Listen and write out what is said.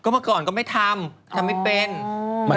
เป็นเป็นอะไร